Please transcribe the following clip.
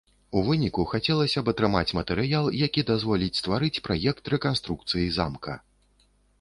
І ў выніку хацелася б атрымаць матэрыял, які дазволіць стварыць праект рэканструкцыі замка.